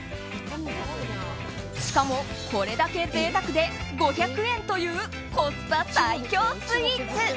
しかも、これだけ贅沢で５００円というコスパ最強スイーツ。